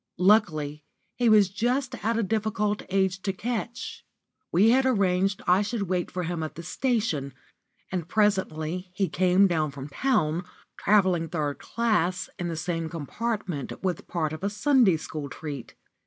Luckily, he was just at a difficult age to catch. We had arranged I should wait for him at the station, and presently he came down from town, travelling third class, in the same compartment with part of a Sunday school treat.